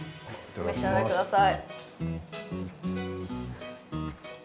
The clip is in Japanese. お召し上がりください